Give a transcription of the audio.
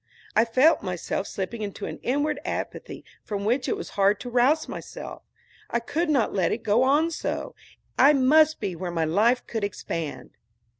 I felt myself slipping into an inward apathy from which it was hard to rouse myself. I could not let it go on so. I must be where my life could expand.